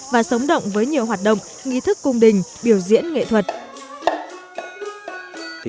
và sống động với nhiều hoạt động nghi thức cung đình biểu diễn nghệ thuật